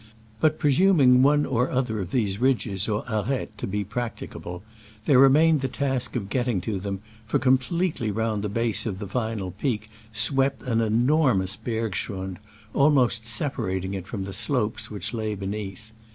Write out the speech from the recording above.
But, presuming one or other of these ridges or aretes to be practicable, there remained the task of getting to them, for completely round the base of the final peak swept an enormous berg schrund, almost separating it from the slopes which lay beneath.